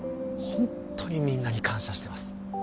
ホントにみんなに感謝してます